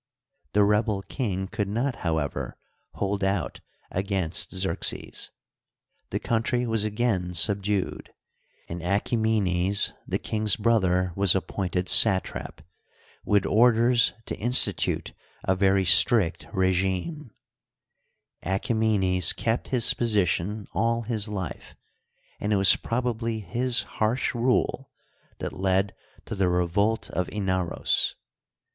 The rebel king could not, however, hold out against Xerxes. The country was again subdued, and Ackaemenes, the king's brother, was appointed satrap with orders to institute a very strict r/ gime, Achaemenes kept his position all his life, and it was probably his harsh rule that led to the revolt of Ina ros.